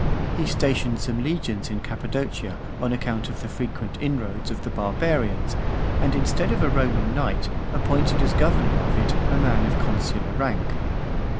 He stationed some legions in Cappadocia on account of the frequent inroads of the barbarians, and, instead of a Roman knight, appointed as governor of it a man of consular rank.